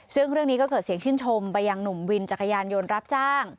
ซึ่งเรื่องนี้ก็เกิดเสียงชื่นชมไปยังหนุ่มวินจักรยานยนต์รับจ้าง